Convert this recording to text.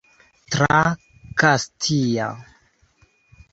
Tra Kastia.